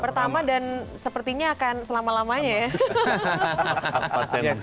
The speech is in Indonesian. pertama dan sepertinya akan selama lamanya ya